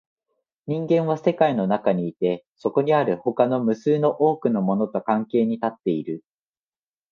人間は世界の中にいて、そこにある他の無数の多くのものと関係に立っている。